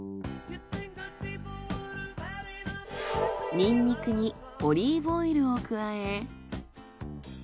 ニンニクにオリーブオイルを加え。